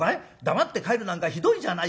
黙って帰るなんかひどいじゃないか。